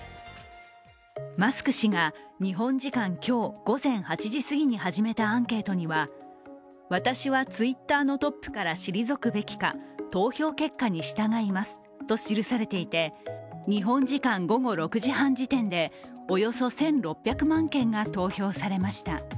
マスク氏が日本時間今日午前８時すぎに始めたアンケートには私はＴｗｉｔｔｅｒのトップから退くべきか投票結果に従いますと記されていて日本時間午後６時半時点でおよそ１６００万件が投票されました。